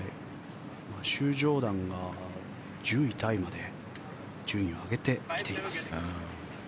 マシュー・ジョーダンが１０位タイまで順位を上げてきています。